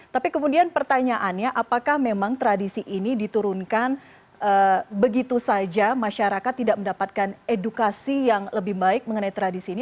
tapi kemudian pertanyaannya apakah memang tradisi ini diturunkan begitu saja masyarakat tidak mendapatkan edukasi yang lebih baik mengenai tradisi ini